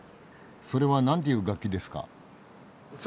それは何ていう楽器ですか？